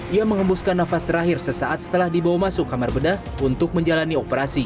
ia mengembuskan nafas terakhir sesaat setelah dibawa masuk kamar bedah untuk menjalani operasi